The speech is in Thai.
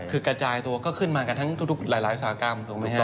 คือกระจายตัวก็ขึ้นมากันทั้งหลายอุตสาหกรรม